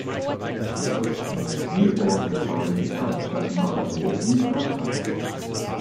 Spielorte waren die Hauptstadt Malabo und Bata.